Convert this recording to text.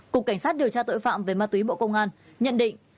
cục cảnh sát điều tra tội phạm về ma túy bộ công an nhận định